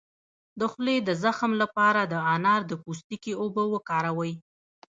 د خولې د زخم لپاره د انار د پوستکي اوبه وکاروئ